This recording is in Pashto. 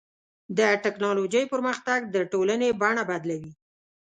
د ټکنالوجۍ پرمختګ د ټولنې بڼه بدلوي.